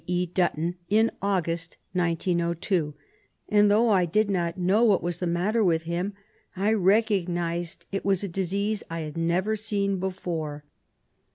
E. Dutton, in August, 1902, and though I did not know what was the matter with him, I recognised it was a disease I had never seen before.